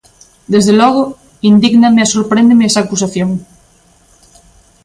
Desde logo, indígname e sorpréndeme esa acusación.